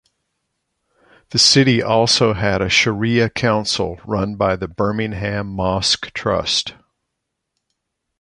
The city also has a Shariah Council run by the Birmingham Mosque Trust.